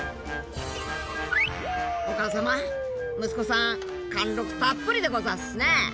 息子さん貫禄たっぷりでござぁすね。